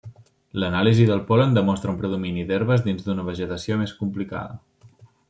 L'anàlisi del pol·len demostra un predomini d'herbes dins d'una vegetació més complicada.